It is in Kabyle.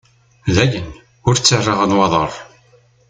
Dayen, ur ttarraɣ nnwaḍer.